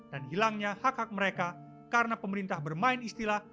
hilangnya hak hak mereka karena pemerintah bermain istilah